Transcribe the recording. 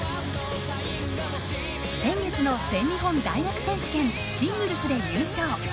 先月の全日本大学選手権シングルスで優勝。